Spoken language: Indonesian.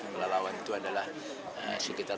pelalawan itu adalah sekitar